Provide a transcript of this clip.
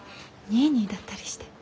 ニーニーだったりして。